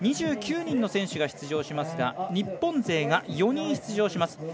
２９人の選手が出場しますが日本勢は４人出場します。